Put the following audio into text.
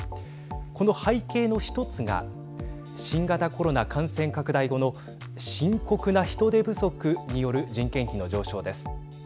この背景の一つが新型コロナ感染拡大後の深刻な人手不足による人件費の上昇です。